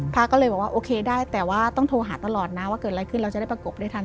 พระก็เลยบอกว่าโอเคได้แต่ว่าต้องโทรหาตลอดนะว่าเกิดอะไรขึ้นเราจะได้ประกบได้ทัน